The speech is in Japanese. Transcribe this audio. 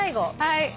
はい。